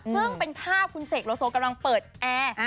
ซึ่งเป็นภาพคุณเสกโลโซกำลังเปิดแอร์